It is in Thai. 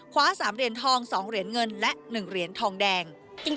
คว้า๓เหรียญทอง๒เหรียญเงินและ๑เหรียญทองแดง